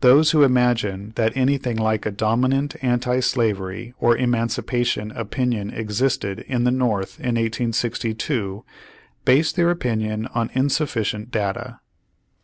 Those who imagine that anything like a domi nant anti slavery, or emancipation opinion existed in the North in 1862, base their opinion on insuffi cient data.